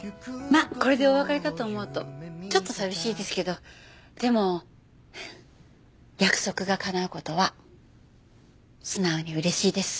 まあこれでお別れかと思うとちょっと寂しいですけどでも約束が叶う事は素直に嬉しいです。